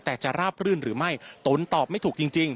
แต่จะราบรื่นหรือไม่ตุ๋นตอบไม่ถูกจริง